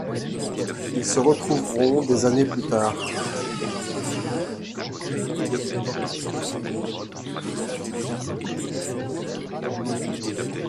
Ils se retrouveront des années plus tard.